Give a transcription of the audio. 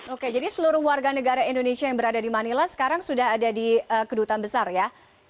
oke jadi seluruh warga negara indonesia yang berada di manila sekarang sudah ada di kedutaan besar ya